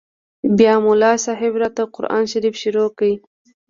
بيا ملا صاحب راته قران شريف شروع کړ.